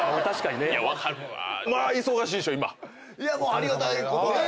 ありがたいことで。